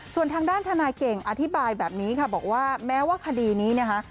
ส่วนทางด้านทนายเก่งอธิบายแบบนี้ค่ะบอกว่าแม้ว่าคดีนี้นะคะ